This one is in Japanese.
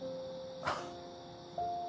あっ